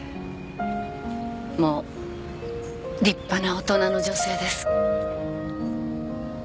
もう立派な大人の女性です。